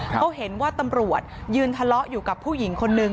เขาเห็นว่าตำรวจยืนทะเลาะอยู่กับผู้หญิงคนนึง